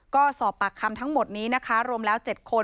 ก็สอบปากคำทั้งหมดนี้นะคะรวมแล้ว๗คน